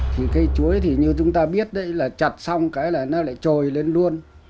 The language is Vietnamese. thì cây chuối thì như chúng ta biết đấy là chật xong cái là nó lại trồi lên luôn